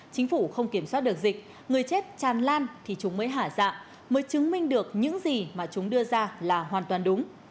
chính phủ không kiểm soát được dịch người chết tràn lan thì chúng mới hạ dạ mới chứng minh được những gì mà chúng đưa ra là hoàn toàn đúng